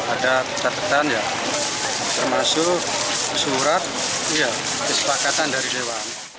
ada catatan ya termasuk surat kesepakatan dari dewan